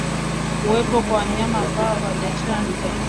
Kuwepo kwa wanyama ambao hawajachanjwa